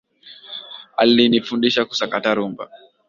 Alinifundisha kusakata rhumba.